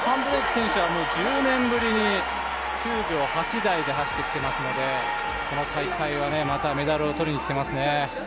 もう１０年ぶりに９秒８台で走ってきてますのでこの大会は、またメダルを取りにきてますね。